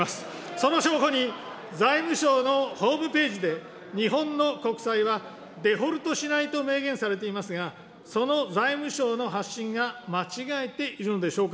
その証拠に、財務省のホームページで、日本の国債はデフォルトしないと明言していますが、その財務省の発信が間違えているのでしょうか。